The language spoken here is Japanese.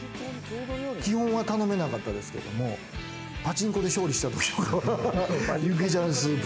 基本は頼めなかったですけれども、パチンコで勝利したときとかはユッケジャンスープ。